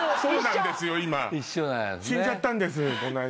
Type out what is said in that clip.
死んじゃったんですこの間。